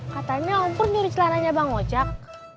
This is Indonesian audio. katanya om pur nyuri celananya bang ocak